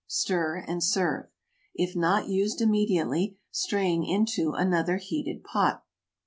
Stir, and serve. If not used immediately, strain into another heated pot.